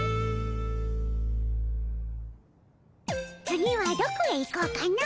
次はどこへ行こうかの。